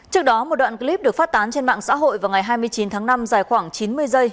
trước đó một đoạn clip được phát tán trên mạng xã hội vào ngày hai mươi chín tháng năm dài khoảng chín mươi giây